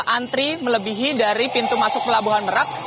antri melebihi dari pintu masuk pelabuhan merak